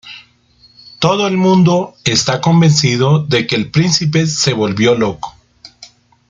Todo el mundo está convencido de que el príncipe se volvió loco.